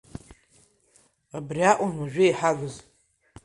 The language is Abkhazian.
Абри акәын уажәы иҳагыз!